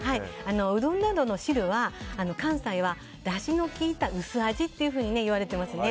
うどんなどの汁は関西はだしのきいた薄味といわれてますね。